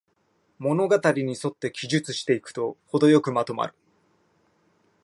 物語にそって記述していくと、ほどよくまとまる